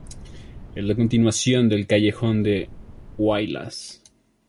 Es la continuación del Callejón de Huaylas.